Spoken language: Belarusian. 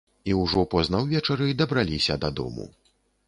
І ўжо позна ўвечары дабраліся дадому.